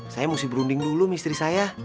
saya mesti berunding dulu misteri saya